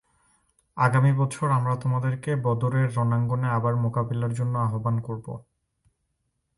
আগামী বছর আমরা তোমাদেরকে বদরের রণাঙ্গনে আবার মোকাবিলার জন্য আহবান করব।